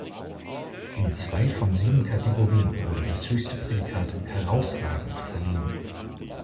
In zwei von sieben Kategorien wurde das höchste Prädikat „herausragend“ verliehen.